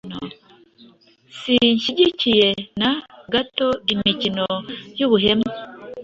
Sinshyigikiye na gato imikino y'ubuhemu